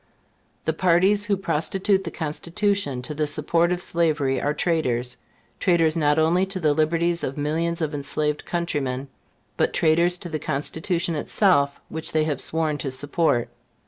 The parties who prostitute the Constitution to the support of slavery are traitors traitors not only to the liberties of millions of enslaved countrymen, but traitors to the Constitution itself which they have sworn to support.